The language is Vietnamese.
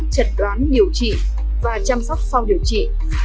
chật đoán điều trị và chăm sóc sau điều trị